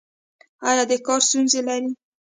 ایا د کار ستونزې لرئ؟